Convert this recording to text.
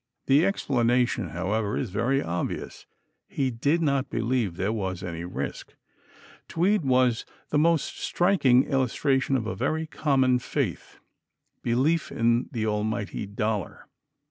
The explanation, however, is very obvious. He did not believe there was any risk. Tweed was the most striking illustration of a very common faith belief in the Almighty Dollar.